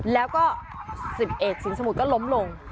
แล้วก็๑๑สินสมุดก็ล้มลง